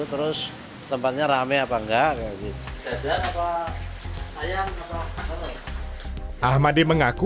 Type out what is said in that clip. terus tempatnya rame apa enggak